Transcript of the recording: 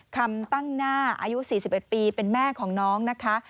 คำตั้งหน้าอายุ๔๑ปีเป็นแม่ของน้องนะคะ